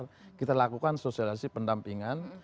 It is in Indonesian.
jangan terbakar kita lakukan sosialisasi pendampingan